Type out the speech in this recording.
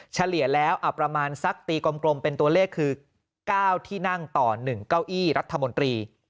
เฉลี่ยแล้วประมาณสักตีกลมเป็นตัวเลขคือ๙ที่นั่งต่อ๑เก้าอี้รัฐมนตรี